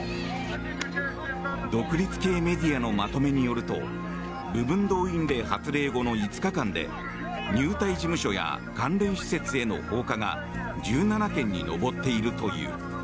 独立系メディアのまとめによると部分動員令発令後の５日間で入隊事務所や関連施設への放火が１７件に上っているという。